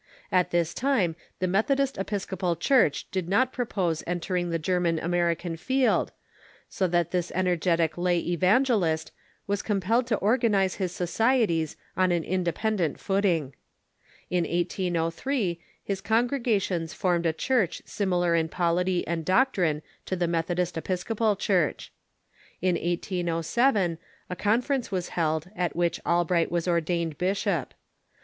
At this time the Methodist Episcopal Church did not propose en tering the German American field, so that this energetic lay evangelist was compelled to organize his societies on an inde pendent footing. In 1803 his congregations formed a Church similar in polity and doctrine to the Methodist Episcopal Church. In 1807, a conference was held at which Albright was ordained bishop.